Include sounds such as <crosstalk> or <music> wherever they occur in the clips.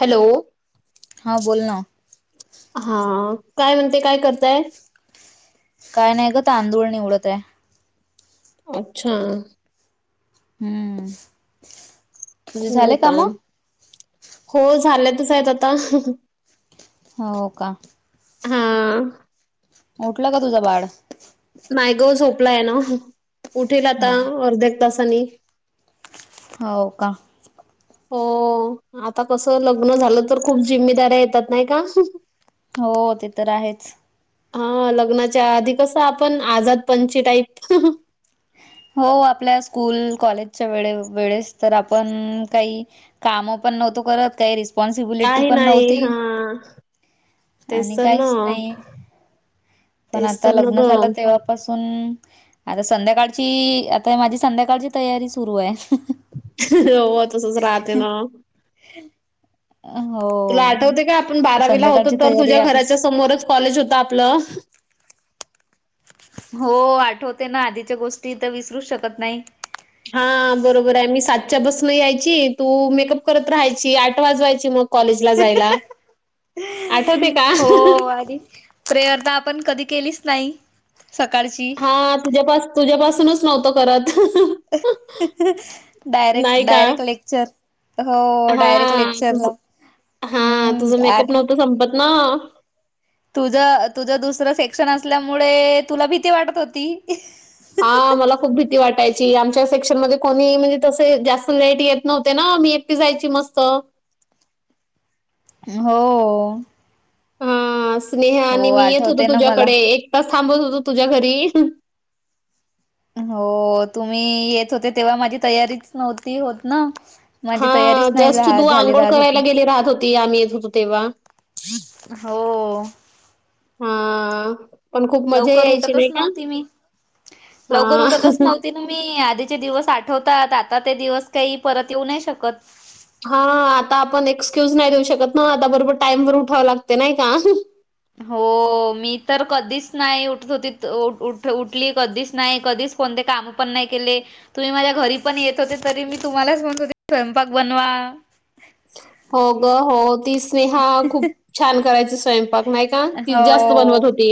Hello. हां बोल ना. हा काय म्हणते काय करताय? काय नाय ग तांदूळ निवडताय. अच्छा. हम्म. तुझे हो झाले का काम हो झाल्यातच हायत आता. हो का. हा. उठला का तुझं बाड? नाय ग झोपलाय ना उठेल आता हो अर्ध्या एक तासानी. हाव का. हो आता कसं लग्न झालं तर खूप जिम्मेदऱ्या येतात नाय का. हो ते तर आहेच. हा लग्नाच्या आधी कसं आपण आझाद पंची टाईप. हो आपल्या स्कूल कॉलेजच्या वेळे- वेळेस तर आपण काय काम पण नव्हतो करत काय रिस स्पॉन्सिबिलिटी काही पण नाही नव्हती हा तेच आणि तर ना काहीच नाय. पण तेच आता तर ना लग्न ग झालं तेव्हा पासून आता संध्याकाळची आता माझी संध्याकाळची तयारी सुरुय. हो तसच राहते ना. <unintelligible> तुला हो आठवतय का आपण बारावीला होतो संध्याकाळची तर तयारी तुझ्या आधीच घराच्या समोरच कॉलेज होत आपलं. हो आठवते ना आधीच्या गोष्टी तर विसरूच शकत नाय. हा बरोबर आहे मी सातच्या बसणं यायची तू मेकअप करत राहायची आठ वाजवायची मग कॉलेज ला जायला. आठवते का? हो आणि प्रेअरता तर आपण कधी केलीच नाय सकाळची. हा तुझ्या तुझ्या पासूनच नव्हतो करत. डायरेक- नाही का? Direct lecture. हो डायरेक्ट लेक्चर ला. हा तुझं मेकअप नव्हतं संपत ना. तुझ तुझं दुसरं सेक्शन असल्यामुळे तुला भीती वाटत होती. हा मला खूप भी ती वाटायची आमच्या सेक्शन मध्ये कोणी म्हणजे तस जास्त लेट येत नव्हते ना मी एकटी जायची मस्त. हो. हां, स्नेहा आणि हो मी येत होतो आठवते ना मला. तुझ्याकडे एक तास थांबत होतो तुझ्या घरी. हो तुम्ही येत होते तेव्हा माझी तयारीच नव्हती होत ना. हा माझी तयारीच नाही जस्ट झा तू झाली आंघोळ राहत होती. करायला गेली राहत होती आम्ही येत होतो तेव्हा. हो. हा पण खूप मजा लवकर यायची नाय उठतच का नव्हती मी. हा. तुम्ही आधीचे दिवस आठवतात आता ते दिवस काही परत येऊ नाय शकत. हा आता आपण एक्सक्यूज नाय देऊ शकत ना आता बरोबर टाइम वर उठावं लागते नाय का. हो मी तर कधीच नाही उठत होती उठली कधीच नाय कधीच कोणते काम पण नाही केले. तुम्ही माझ्या घरी पण येत होते, तरी मी तुम्हालाच म्हणत होते स्वयंपाक बनवा. हो ग होत ती स्नेहा खूप छान करायची स्वयंपाक नाही का? ती जास्त बनवत हो. होती.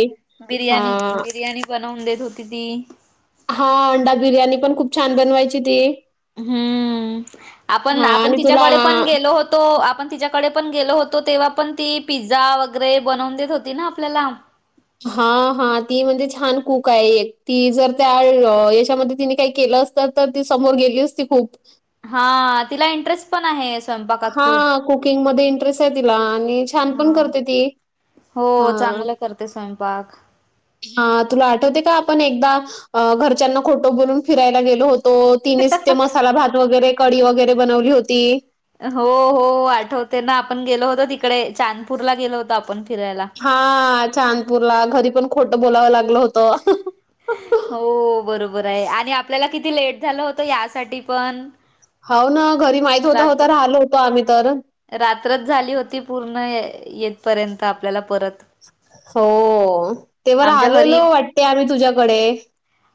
बिर्याणी हां. बीर बनवून देत होती ती. हा अंडा बिर्याणी पण, खूप छान बनवायची ती. हुंअ आपण हां आपण आणि तुला तिच्याकडे पण गेलो हो तो. आपण तिच्याकडे पण गेलो होतो, तेव्हा पण ती पिझ्झा वगैरे बनवून देत होती ना, आपल्याला. हा हा. ती म्हणजे छान कूक हाये एक, ती जर त्या याच्यामध्ये तिने काही केलं अस त, तर ती समोर गेली असती खूप हा तिला इंटरेस्ट पण आहे स्वयंपाक हा कुकिंगमध्ये इंटरेस हाय तिला आणि छान पण हा. करते ती. हो चांगलं करते स्वयंपाक. हा तुला आठवतय का? आपण एकदा अ घरच्यांना खोट बोलून फिरायला गेलो होतो. तीनीच ते मसाला भात वगैरे कडी वगैरे बनवली होती. हो हो, आठवतय ना, आपण गेलो होतो तिकडे चांदपूरला गेलो होतो आपण फिरायला. हा चादपूर ला घरी पण खोटं बोलावं लागलं होत. हो. हो बरोबर हाय आणि आपल्याला किती लेट झालं होतं? यासाठी पण हाव ना, घरी माहीत होता, रात्र होता राहिलो होतो, आम्ही तर. रात्रच झाली होती पूर्ण ये येतपर्यंत आपल्याला परत. हो, तेव्हा आमच्या घरी राहलेलो वाटते आम्ही तुझ्याकडे.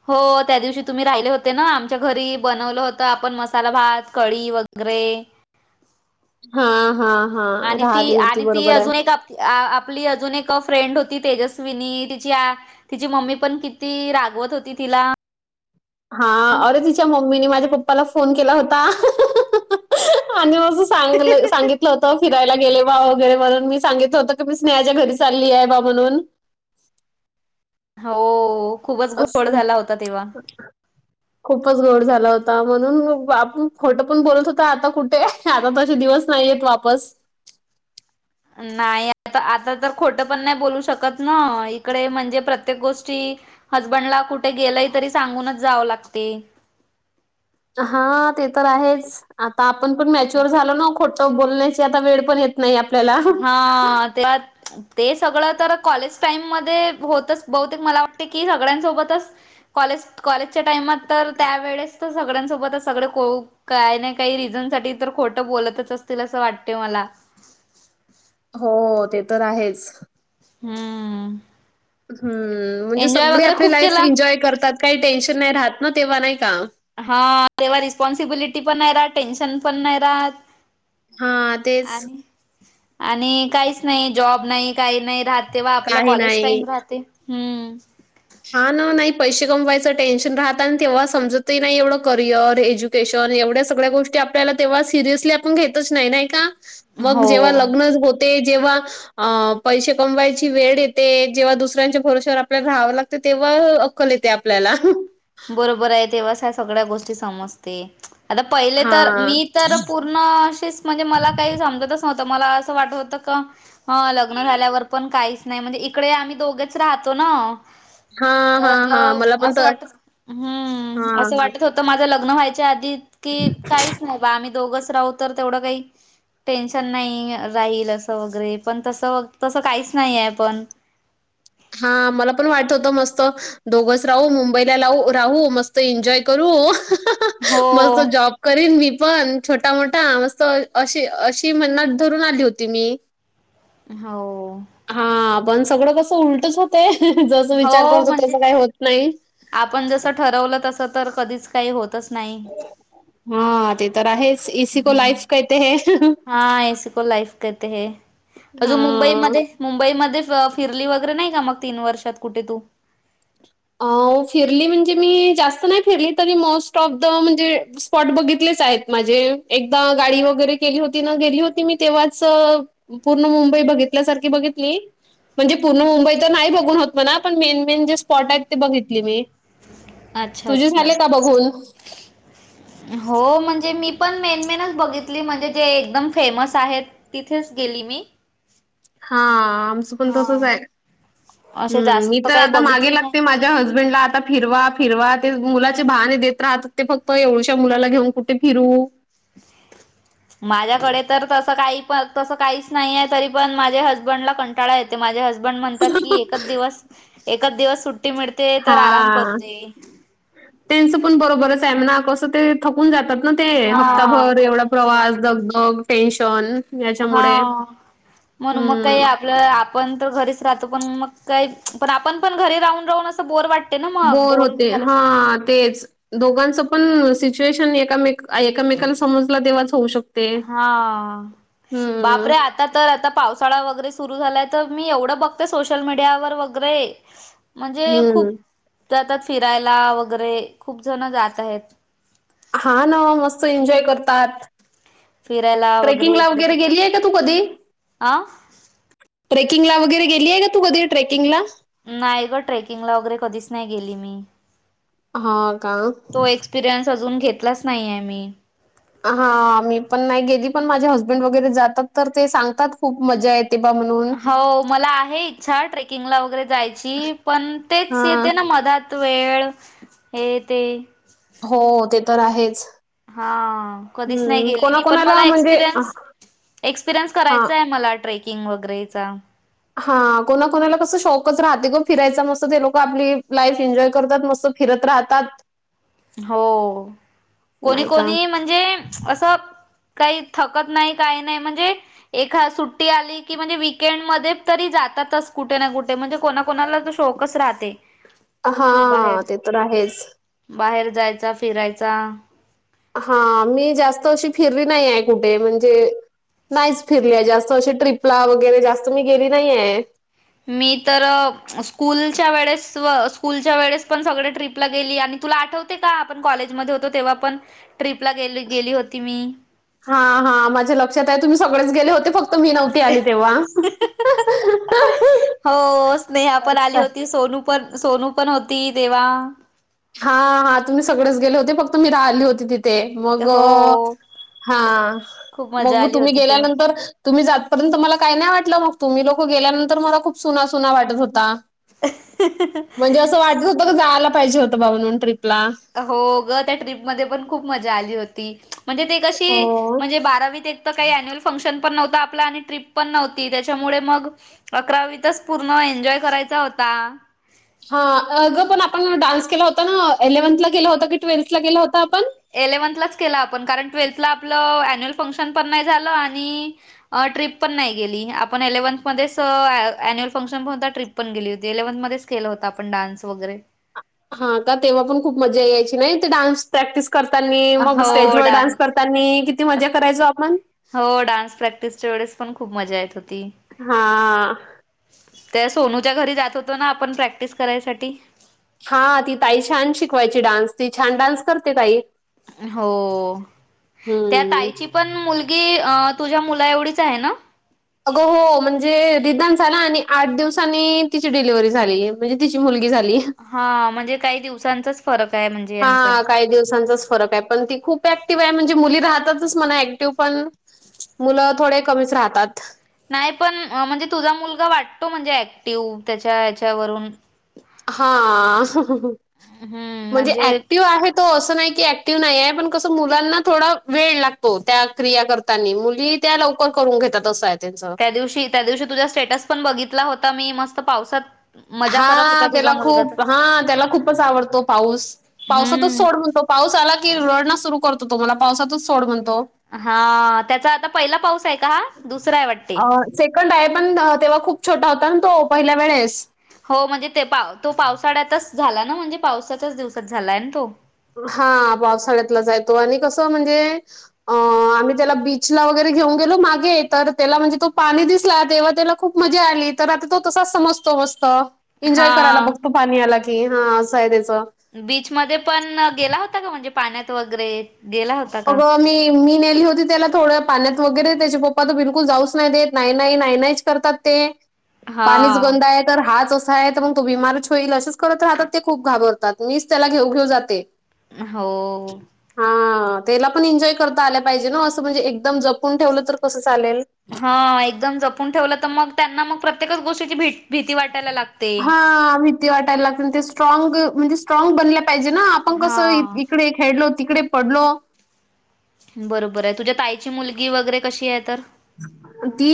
हो, त्या दिवशी तुम्ही राहिले होते ना, आमच्या घरी बनवलं होतं आपण मसाला भात, कडी वगैरे ग्रे हा हा. आणि ती राधी होती आणि ती बरोबर हाय. अजून एक आप आ आपली अजून एक अ फ्रेंड होती तेजस्विनी तिच्या तिची मम्मी पण किती रागवत होती तिला? हा अरे, तिच्या मम्मीने माझ्या पप्पाला फोन केला होता <inaudible> आणि म तू सांगल सांगितल होत की भीजायला गेले बा वगैरे म्हणून मी सांगितल होत की, मी स्नेहाच्या घरी चालली आहे बा म्हणून हो खूपच घोळ असं झाला होता तेव्हा. <inaudible> खूपच घोळ झाला होता म्हणून आपण खोटं पण बोलत होतो, आता कुठे? आता तसे दिवस नाही येत वापस. नाही आता, आता तर खोटं पण नाही बोलू शकत ना, इकडे म्हणजे प्रत्येक गोष्टी हजबंड ला कुठ गेलंय? तरी सांगूनच जावे लागते. हा, ते तर हायेच आता, आपण पण मॅच्युअर झालो ना, खोटं बोलण्याची आता वेळ पण येत नाही आपल्याला. हा. <unintelligible> ते सगळं तर कॉलेज टाइम मध्ये होतच बहुतेक, मला वाटते की, सगळ्यांसोबतच कॉलेज कॉलेजच्या टाइमात तर, त्यावेेळेस तर सगळ्यांसोबतच सगळे कोळू काय नाही काही रिझन साठी तर, खोटं बोलतच असतील असं वाटतय मला. <inaudible> हो ते तर आहेच. हम्म. हम्म... म्हणजे एन्जॉय सगळी वगैरे आपली खूप लाईफ केला एन्जॉय करतात... काही टेन्शन नाही राहत ना... तेव्हा नाय का? हा... तेव्हा रिस्पॉन्सिबिलिटी पण नाही राहात... टेन्शन पण नाही राहत. हां, तेच. आ... आणि काहीच नाई, जॉब नाई, काइ नाइ राहत. तेव्हा आपलं काही कॉलेज टाइम राहते... हम्म. हा ना... नाही पैसे कमवायचं टेन्शन राहत आणि तेव्हा समजतही नाही... एवढं करिअर एज्यु केशन... एवढ्या सगळ्या गोष्टी आपल्याला तेव्हा सिरियसली आपण घेतच नाइ... नाइ का? मग जेव्हा हो लग्नच हो ते... जेव्हा... अं... पैसे कमवायची वेळ येते... जेव्हा दुसऱ्यांच्या भरवश्यावर आपल्याला राहावे लागते तर तेव्हा अक्कल येते आपल्याला. बरोबर आहे. तेव्हाच ह्या सगळ्या गोष्टी समजते. आता पहिले तर... हां. मी तर कुणाशीच... म्हणजे मला काही समजतच नव्हतं... मला असं वाटत होतं का हं... लग्न झाल्यावर पण काहीच नाही... म्हणजे इकडे आम्ही दोघेच राहतो ना. हां, तर हां, हां. मला पण असं तर वाटत हम्म... असं हां. वाटत होतं माझं लग्न व्हायच्या आधी इतकी... काहीच नाही बा आम्ही दोघच राहू तर तेवढं काही टेन्शन नाही राहील.... असं वगैरे... पण तसं... तसं काहीच नाही आहे पण. हा... मला पण वाटत होतं मस्त... दोघच राहू, मुंबईला लावू... राहू मस्त मस्त एन्जॉय करू... हाहा... हो मस्त जॉब करीन मी पण... छोटा मोठा... मस्त अशी... अशी मनात धरून आली होती मी <inaudible> हो. हा... पण सगळं कसं उलटच होतय... जसं विचार हो करतो म्हणजे तसं काही होत नाही. आपण जसं ठरवलं तसं तर... कधीच काइ... होतच नाही. हा ते तर आहेच... इसी को हम्म लाईफ कहते हैं. हा एसीको लाईफ केहते हैं... अजून हां. मुंबईमध्ये मुंबईमध्ये फिरली वगैरे नाही का मग... तीन वर्षात कुठे तू? अं फिरली म्हणजे मी... जास्त नाही फिरली... तरी मोस्ट ऑफ द... म्हणजे स्पॉट बघितलेच आहेत माझे. एकदा गाडी वगैरे केली होती ना... गेली होती मी... तेव्हाच पूर्ण मुंबई बघितल्यासारखी बघितली म्हणजे पूर्ण मुंबई तर नाही बघून होत म्हणा... पण मेन मेन... जे स्पॉट आहेत ते बघितली मी. अच्छा तुझे अच्छा. झाले का बघून? हो... म्हणजे मी पण... मेन मेनच बघितली... म्हणजे जे एकदम फेमस आहेत. तिथेच गेली मी. हा... आमचं पण तसंच हा. ए... असे हम्म... मी जास्त तर काही आता मागे बघितली लागते नाही. माझ माझ्या हसबंडला आता फिरवा फिरवा... ते मुलाचे बहाणे देत राहतात ते फक्त... एवढुश्या मुलाला घेऊन कुठ ते फिरवू? <inaudible> माझ्याकडे तर तसं काही प... तसं काहीच नाई ए तरी पण माझे हसबंडला कंटाळा येते माझे हसब बंड म्हणतात की एकच दिवस... एकच दिवस सुट्टी मिळ हा... त्यांचं पण बरोबरच आहे म्हणा... कसं ते थकून जातात ना ते... हा हप्ताभर एवढा थकून जातात प्रवास... दगदग टेन्शन हा याच्यामुळे मण मग काही हम्म आपलं आपण तर घरीच राहतो पण मग काय पण आपण पण घरी राहून राहून असं बोर वाटत. बोर होते हा तेच. दोघांचं पण सिच्युएशन एमे एकामेकाला समजला देवाचं होऊ शकत. हा बापरे आ आता तर आता पावसाळा वगैरे सुरू झालाय तर मी एवढं बघते सोशल मीडियावर वगैरे म्हणजे हम्म. खूप जातात फिरायला वगैरे खूप जण जात आहेत. हा ना मस्त एन्जॉय करतात. फिरायला ट्रेकिंगला इकडे वगैरे तिकडे गेलीये का तू कधी? अ ट्रेकिंग ला वगैरे गेलीय का तू कधी ट्रेकिंगला? नाही ग ट्रेकिंगला वगैरे कधीच नाही गेली मी हां का? तो एक एक्सपिरियन्स अजून घेतलाच नाही आहे मी. हा मी पण नाही गेली पण माझे हसबंड वगैरे जातात तर ते सांगतात खूप मजा येत ते बा मनुज हो मला आहे इच्छा ट्रेकिंगला वगैरे जायची पण तेच हां. येते ना मधात. वेळ हे ते. हो ते तर आहेच. हा कधीच नाही हं, गेली मी पण मला कोणाकोणाला म्हणजे एक्सपिरियन्स एक्सपिरियन्स हां. करायचा आहे मला ट्रेकिंग वगैरेचा हा कोणा कोणाला कस शॉकच राहते ग फिरायचा मस्त ते लोक आपली लाईफ एन्जॉय करतात मस्त. फिरत राहतात. हो कोणी नाही का? कोणी म्हणजे असं काही थकत नाही काही नाही म्हणजे एखा सुट्टी आली की म्हणजे वीकेंड मध्ये तरी जातातच कुठे ना कुठे म्हणजे कोणा कोणाला शोकस राहते. हा बाहेर ते तर आहेच. बाहेर जायचा फिरायचा. हा मी जास्त अशी फिरली नाही आहे कुठे म्हणजे नाहीच फिरलीय जास्त अशी ट्रिपला वगैरे जास्त मी गेली नाहीे. मी तर स्कूलच्या वेळेस स्कूलच्या वेळेस पण सगळे ट्रीप ला गेली आणि तुला आठवत का आपण कॉलेजमध्ये होतो तेव्हा पण ट्रीप ला गेली होती मी. हा हा माझ्या लक्षात आहे तुम्ही सगळेच गेले होते फक्त मी नव्हते. आली तेव्हा हो स्नेहा हा पण आली हा. होती सोनू पण सोनू पण होती तेव्हा. हा हा तुम्ही सगळेच गेले होते फक्त मी राहिली होती तिथे. मग हो. हा खूप मजा मग आली तुम्ही होती तेव्हा. गेल्यानंतर तुम्ही जातपर्यंत मला काही नाही वाटलं मग तुम्ही लोक गेल्यानंतर मला खूप सुनासुना वाटत होता. म्हणजे असं वाटत होत जायला पाहिजे होतं बाऊ म्हणून ट्रीपला. हो ग त्या ट्रीपमध्ये पण खूप मजा आली होती म्हणजे ते कशी हो. म्हणजे बारावीत एक तर काही अन्युअल फंक्शन पण नव्हं आपला आणि ट्रीप पण नव्हती त्याच्यामुळे मग अकरावीतच पूर्ण एन्जॉय करायचा होता. हा अ गं पण आपण डान्स केला होता ना एलेव्हनथला गेला होता की ट्वेल्थ ला गेला होता आपण? एलेव्हन्थलाच केला आपण कारण ट्वेल्थला आपलं अॅन्युअल फंक्शन पण नाही झालं आणि ट्रीप पण नाही गेली आपण एलेव्हन्थमध्येच अॲन्युअल फंक्शन पण होता ट्रीप पण गेली होती इलेव्ह्थमध्येच केला होता आपण डान्स वगैरे. हा का तेव्हा पण खूप मजा यायची नाही ते डान्स प्रॅक्टिस करतानी मग स्टेज वर डान्स करतानी किती मजा करायचो आपण? हो डान्स प्रॅक्टिसच्या वेळेस पण खूप मजा येत होती. हा. त्या सोनूच्या घरी जात होतो ना आपण प्रॅक्टिस करायसाठी. हा ती ताई छान शिकवायची डान्स ती छान डान्स करते ताई. हो त्या हम्म. ताईची पण मुलगी अ तुझ्या मुला एवढीच आहे ना? अगं हो म्हणजे दीदान झाला आणि आठ दिवसांनी तिची डिलिव्हरी झाली म्हणजे तिची मुलगी झाली. हा म्हणजे काही दिवसांचाच. फरक आहे म्हणजे. यांचा हा काही दिवसांचाच फरक आहे. पण ती खूप ऍक्टिव्ह आहे म्हणजे मुली राहतातच म्हणा ऍक्टिव्ह पण मुलं थोडे कमीच राहतात. नाही पण म्हणजे तुझा मुलगा वाटतो म्हणजे ऍक्टिव्ह त्याच्या हच्यावरून. हा. म्हणजे ऍक्टिव आहेत तो अस नाही की ऍक्टिव नाहीय पण कस मुलांना थोडा वेळ लागतो त्या क्रिया कर त्यांनी मुली त्या लवकर करून घेतात असं आहे त्यांच त्या दिवशी त्या दिवशी तुझ्या स्टेटस पण बघितला होता मी मस्त पावसात. मजा करत हा होता तुझा त्याला मुलगा तर खूप हा त्याला खूपच आवडतो पाऊस पावसातच हम्म सोड म्हणतो. पाऊस आला की रडण सुरू करतो तो मला पावसातच सोड म्हणतो. हा त्याचा आता पहिला पाऊस आहे का हा दुसरा आहे वाटते. अ, सेकंड आहे पण तेव्हा खूप छोटा होता आणि तो पहिल्या वेळेस. हो म्हणजे ते पा तो पावसाळ्यातच झाला ना म्हणजे पावसाच्याच दिवसात झालाय ना तो. हा पावसाळ्यातलाच आहे तो आणि कसं म्हणजे अ आम्ही त्याला बीचला वगैरे घेऊन गेलो मागे तर त्याला म्हणजे तो पाणी दिसला तेव्हा त्याला खूप मजा आली तर आता तो तसाच समजतो मस्त. एन्जॉय करायला हा बघतो पाणी याला की हा असंय त्याचं- - बीचमध्ये पण गेला होता का म्हणजे पाण्यात वगैरे गेला होता का? अगं मी मी नेली होती त्याला थोड्या पाण्यात वगैरे त्याचे पप्पा त बिलकुल जाऊच नाही देत नाही नाही नाही नाहीच करतात. ते हा पाणीच बंद आहेत. तर हाच असा आहे तर मग तो बीमारच होईल असंच करत तर हातात ते खूप घाबरतात मीच त्याला घेऊ घेऊ जाते. हो. हा त्याला पण एन्जॉय करता आल्या पाहिजे ना असं म्हणजे एकदम जपून ठेवलं तर कसं चालेल? हा एकदम जपून ठेवलं तर मग त्यांना मग प्रत्येकच गोष्टीची भी भीती वाटते. हा भीती वाटायला लागते ते स्ट्रॉंग म्हणजे स्ट्रॉंग बनल पाहिजे ना? हाण कसं हा. इकडे खेळलो तिकडे पडलो. बरोबर आहे तुझ्या ताईची मुलगी वगैरे कशी आहे तर ती